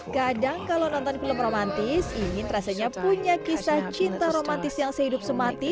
kadang kalau nonton film romantis ingin rasanya punya kisah cinta romantis yang sehidup semati